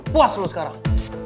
puas lu sekarang